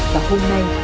và hôm nay